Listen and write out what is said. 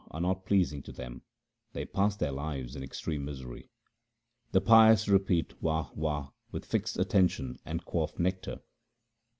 are not pleasing to them ; they pass their lives in extreme misery. The pious repeat Wah ! Wah ! with fixed attention and quaff nectar.